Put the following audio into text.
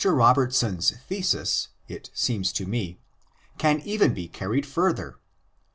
Robertson's thesis, it seems to me, can even be carried further.